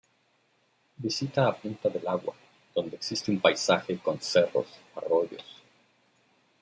Visita a Punta del Agua, donde existe un paisaje con cerros, arroyos.